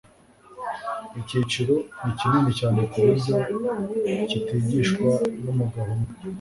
icyiciro ni kinini cyane kuburyo kitigishwa numugabo umwe